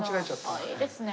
いいですね。